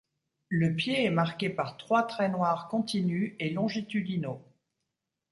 Le pied est marqué par trois traits noirs continus et longitudinaux.